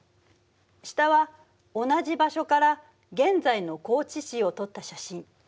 下は同じ場所から現在の高知市を撮った写真。